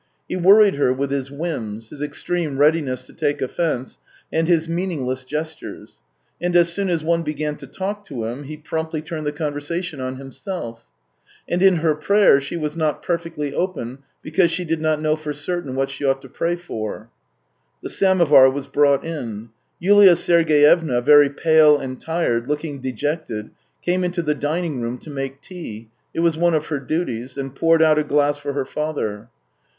He worried her with his whims, his extreme readiness to take offence, and his meaningless gestures; and as soon as one began to talk to him, he promptly turned the conversation on himself. And in her prayer THREE YEARS 201 she was not perfectly open, because she did not know for certain what she ought to pray for. The samovar was brought in. Yuha Sergey evna, very pale and tired, looking dejected, came into the dining room to make tea — it was one of her duties — and poured out a glass for her father.